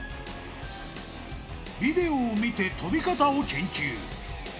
ビデオを見て飛び方を研究。